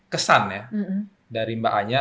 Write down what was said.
kesan ya dari mbak anya